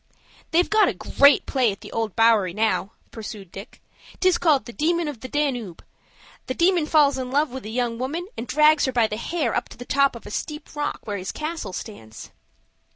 "They've got a great play at the Old Bowery now," pursued Dick. "'Tis called the 'Demon of the Danube.' The Demon falls in love with a young woman, and drags her by the hair up to the top of a steep rock where his castle stands."